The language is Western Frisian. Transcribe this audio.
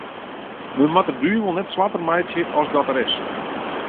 Men moat de duvel net swarter meitsje as dat er is.